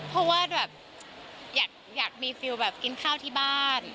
เพราะว่าแบบอยากมีฟิลแบบกินข้าวที่บ้าน